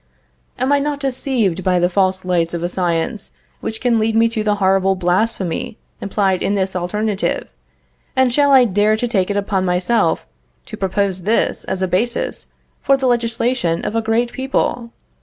"Am I not deceived by the false lights of a science which can lead me to the horrible blasphemy implied in this alternative, and shall I dare to take it upon myself to propose this as a basis for the legislation of a great people?